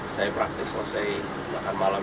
saya praktis selesai makan malam